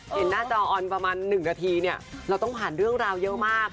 เห็นหน้าจออนประมาณ๑นาทีเนี่ยเราต้องผ่านเรื่องราวเยอะมาก